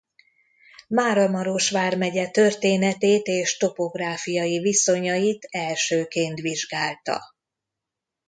Máramaros vármegye történetét és topográfiai viszonyait elsőként vizsgálta.